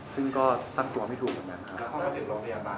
แล้วตอนนั้นอาการโรงพยาบาล